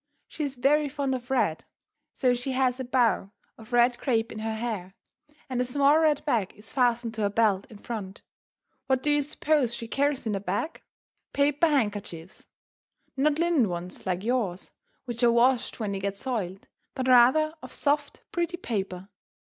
She is very fond of red, so she has a bow of red crape in her hair, and a small red bag is fastened to her belt in front. What do you suppose she carries in the bag? Paper handkerchiefs! Not linen ones like yours, which are washed when they get soiled, but rather of soft, pretty paper.